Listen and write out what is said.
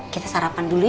kita sarapan dulu yuk